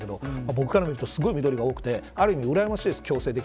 僕から見るとすごい緑が多くてある意味、うらやましいです。